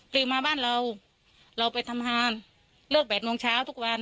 กลิ่นมาบ้านเราเราไปทำหารเลือกแบบโมงเช้าทุกวัน